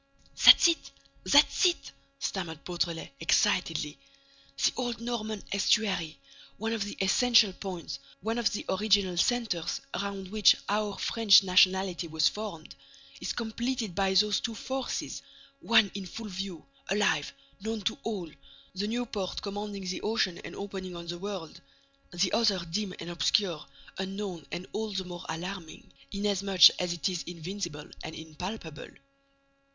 "That's it, that's it," stammered Beautrelet, excitedly. "The old Norman estuary, one of the essential points, one of the original centres around which our French nationality was formed, is completed by those two forces, one in full view, alive, known to all, the new port commanding the ocean and opening on the world; the other dim and obscure, unknown and all the more alarming, inasmuch as it is invisible and impalpable.